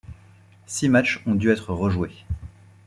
Six matchs ont dû être rejoués.